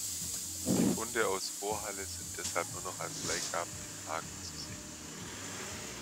Die Funde aus Vorhalle sind deshalb nur noch als Leihgaben in Hagen zu sehen.